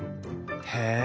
へえ！